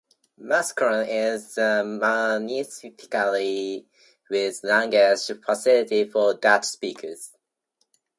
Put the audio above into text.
Mouscron is a municipality with language facilities for Dutch-speakers.